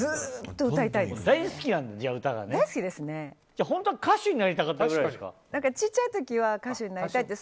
じゃあちっちゃい時は歌手になりたいって。